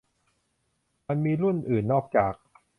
มันมีรุ่นอื่นนอกจาก